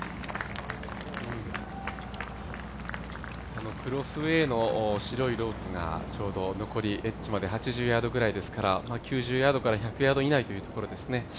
このクロスウェーの白いロープがちょうど残りエッジまで８０ヤードぐらいですから、９０ヤードから１００ヤード以内という感じですね。